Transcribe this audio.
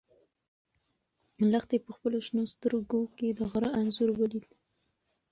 لښتې په خپلو شنه سترګو کې د غره انځور ولید.